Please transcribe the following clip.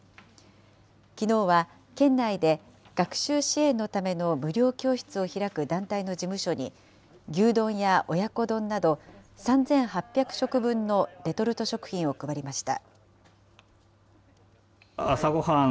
きのうは、県内で学習支援のための無料教室を開く団体の事務所に、牛丼や親子丼など、３８００食分のレトルト食品を配りました。